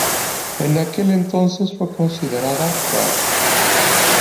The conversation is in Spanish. En aquel entonces fue considerada rara.